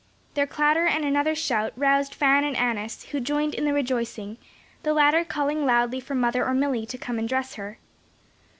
Their clatter and another shot roused Fan and Annis who joined in the rejoicing, the latter calling loudly for mother or Milly to come and dress her.